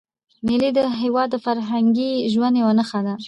مېلې د هېواد د فرهنګي ژوند یوه نخښه ده.